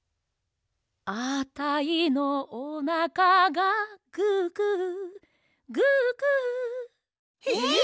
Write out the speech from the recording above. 「あたいのおなかがググググ」えっ！？